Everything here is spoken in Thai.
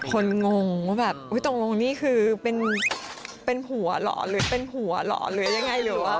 งงว่าแบบตกลงนี่คือเป็นหัวเหรอหรือเป็นหัวเหรอหรือยังไงหรือว่า